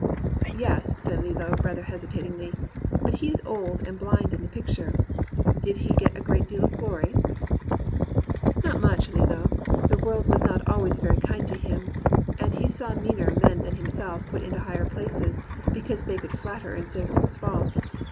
" *Yes,' said Lillo, rather hesitatingly. *But he is old and blind in the picture. Did he get a great deal of glory ?' 150 GEORGE ELIOT AND REAL WOMEN " *Not much, Lillo. The world was not always very kind to him, and he saw meaner men than himself put into higher places, because they could flatter and say what was false.